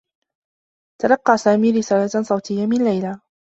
تلقّى سامي رسالة صوتيّة من ليلى.